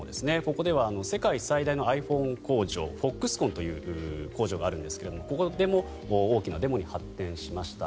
ここでは世界最大のｉＰｈｏｎｅ工場フォックスコンという工場があるんですがここでも大きなデモに発展しました。